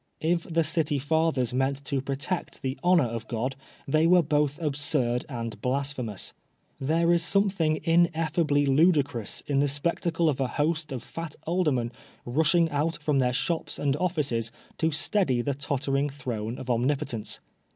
If the City Fathers meant to protect the honor of God, they were both absurd and blasphemous. There is something ineffably ludicrous in the spectacle oi a host of fat aldermen rushing out from their shops and offices to steady the tottering throne of Omnipotence.